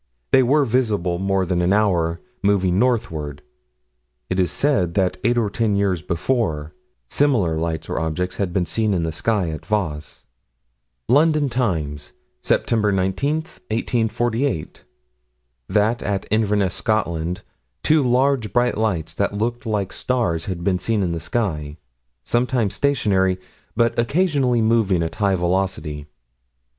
They were visible more than an hour, moving northward. It is said that eight or ten years before similar lights or objects had been seen in the sky, at Vence. London Times, Sept. 19, 1848: That, at Inverness, Scotland, two large, bright lights that looked like stars had been seen in the sky: sometimes stationary, but occasionally moving at high velocity.